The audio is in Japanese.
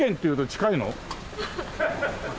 近いの？